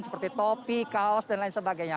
seperti topi kaos dan lain sebagainya